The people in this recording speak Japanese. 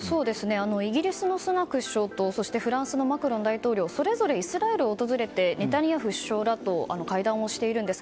イギリスのスナク首相とフランスのマクロン大統領それぞれイスラエルを訪れてネタニヤフ首相らと会談をしているんです。